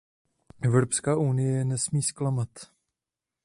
Evropská unie je nesmí zklamat.